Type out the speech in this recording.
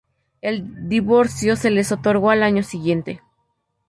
El divorcio se les otorgó al año siguiente.